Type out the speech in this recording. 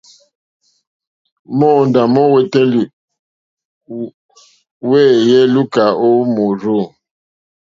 Móǒndá mówǒtélì wéèyé lùúkà ó mòrzô.